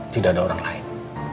tidak ada orang lain